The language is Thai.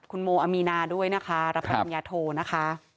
คุณโมอามีนาด้วยนะคะรับปริญญาโทนะคะ